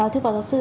thưa phó giáo sư